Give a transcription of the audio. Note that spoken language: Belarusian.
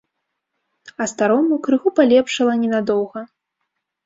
А старому крыху палепшала не надоўга.